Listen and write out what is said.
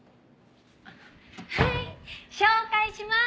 はい紹介します。